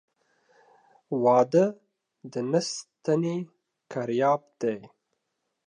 واده د نه ستني کرياب دى.